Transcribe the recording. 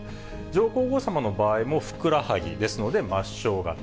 上皇后さまの場合もふくらはぎですので、末しょう型。